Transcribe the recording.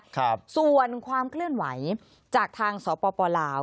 ครับส่วนความเคลื่อนไหวจากทางสปลาว